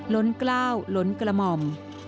ล้นกล้าวล้นกระหม่อม